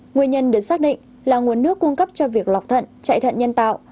nguyên nhân được xác định là nguồn nước cung cấp cho việc lọc thận chạy thận nhân tạo